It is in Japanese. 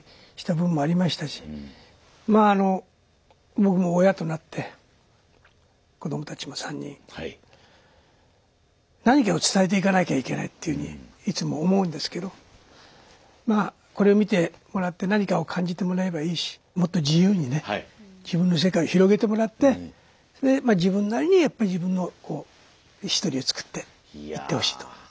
僕も親となって子どもたちも３人何かを伝えていかなきゃいけないっていうふうにいつも思うんですけどまあこれを見てもらって何かを感じてもらえればいいしもっと自由にね自分の世界を広げてもらってそれで自分なりにやっぱり自分のこうヒストリーをつくっていってほしいと。